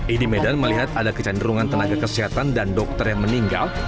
id medan melihat ada kecenderungan tenaga kesehatan dan dokter yang meninggal